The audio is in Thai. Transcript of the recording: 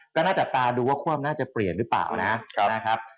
ก็น่าจับตาดูว่าคว่ำน่าจะเปลี่ยนหรือเปล่านะครับ